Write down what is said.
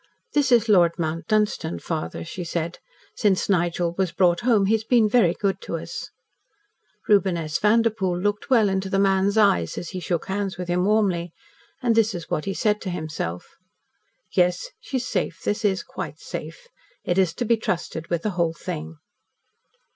"This is Lord Mount Dunstan, father," she said. "Since Nigel was brought home, he has been very good to us." Reuben S. Vanderpoel looked well into the man's eyes, as he shook hands with him warmly, and this was what he said to himself: "Yes, she's safe. This is quite safe. It is to be trusted with the whole thing."